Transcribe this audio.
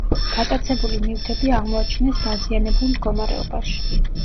გატაცებული ნივთები აღმოაჩინეს დაზიანებულ მდგომარეობაში.